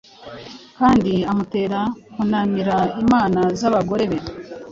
Kandi amutera kunamira imana zabagore be